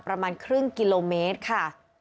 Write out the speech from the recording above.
ประมาณครึ่งกิโลเมตรค่ะ